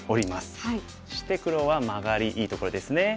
そして黒はマガリいいところですね。